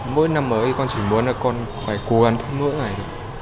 mỗi năm mới con chỉ muốn là con phải cố gắng hơn mỗi ngày